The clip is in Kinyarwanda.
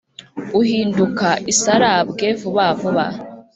Uhinduka isarabwe vuba vuba